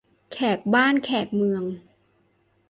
แขกบ้านแขกเมือง